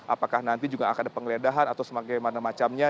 apakah nanti juga akan ada pengledahan atau semacam mana macamnya